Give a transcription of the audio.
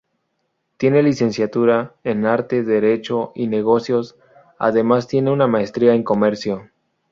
Tiene licenciatura en Arte, Derecho y Negocios; además tiene una maestría en Comercio.